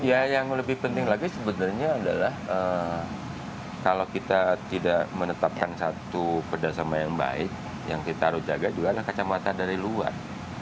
ya yang lebih penting lagi sebenarnya adalah kalau kita tidak menetapkan satu kerjasama yang baik yang kita harus jaga juga adalah kacamata dari luar